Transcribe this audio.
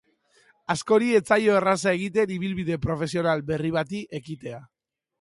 Askori ez zaio erraza egiten ibilbide profesional berri bati ekitea.